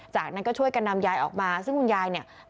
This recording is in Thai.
จากนั้นก็ช่วยกันนำยายออกมาซึ่งคุณยายเนี่ย